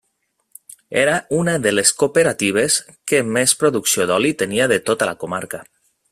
Era una de les cooperatives que més producció d'oli tenia de tota la comarca.